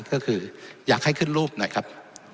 ก็คืออยากให้ขึ้นรูปหน่อยครับ